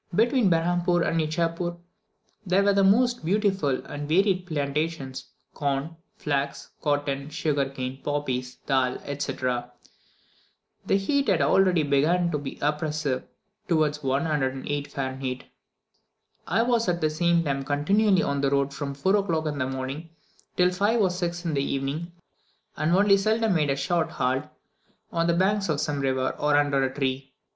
Between Berhampoor and Ichapoor, there were the most beautiful and varied plantations corn, flax, cotton, sugar cane, poppies, dahl, etc. The heat had already began to be oppressive (towards 108 degrees Fah.) I was at the same time continually on the road from 4 o'clock in the morning, till 5 or 6 in the evening, and only seldom made a short halt on the banks of some river, or under a tree.